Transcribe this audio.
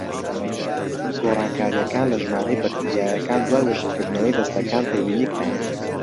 گۆڕانکاریەکان لە ژمارەی بەکتریاکان دوای وشکردنەوەی دەستەکان تێبینیکران: